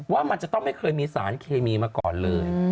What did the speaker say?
ว่ามันจะต้องไม่เคยมีสารเคมีมาก่อนเลย